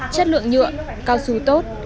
chất lượng nhựa cao su tốt